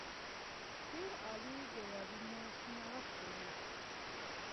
ډېر عالي د واده مو څونه وخت کېږي.